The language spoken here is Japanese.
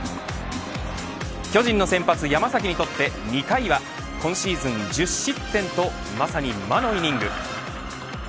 巨人の先発山崎にとって２回は今シーズン１０失点とまさに魔のイニング。